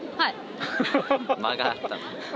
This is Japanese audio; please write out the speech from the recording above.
間があった。